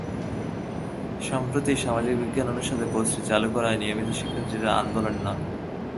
সম্প্রতি সামাজিক বিজ্ঞান অনুষদেও কোর্সটি চালু করায় নিয়মিত শিক্ষার্থীরা আন্দোলনে নামেন।